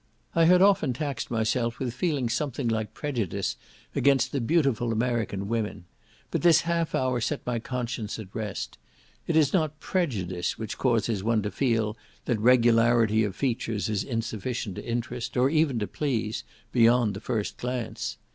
I had often taxed myself with feeling something like prejudice against the beautiful American women; but this half hour set my conscience at rest; it is not prejudice which causes one to feel that regularity of features is insufficient to interest, or even to please, beyond the first glance.